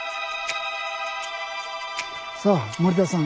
さあ森田さん。